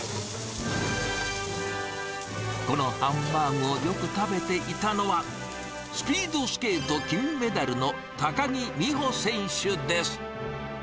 このハンバーグをよく食べていたのは、スピードスケート金メダルの高木美帆選手です。